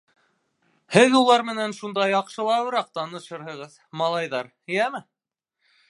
Һеҙ улар менән шунда яҡшылабыраҡ танышырһығыҙ, малайҙар, йәме?